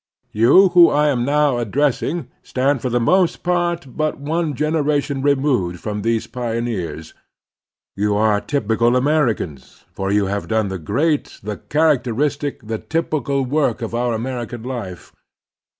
You whom I am now addressing stand for the most part but one generation removed from these pioneers. You are typical Americans, for you have done the great, the characteristic, the typical work of our American life.